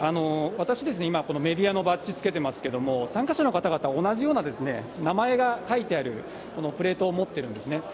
私、今、このメディアのバッジつけてますけれども、参加者の方々、同じような名前が書いてあるプレートを持ってるんですね。